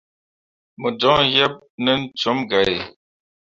Mo joŋ yeb nen cum gǝǝai.